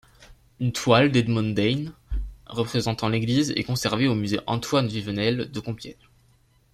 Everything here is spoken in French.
Une toile d'Edmond Daynes représentant l'église est conservée au musée Antoine-Vivenel de Compiègne.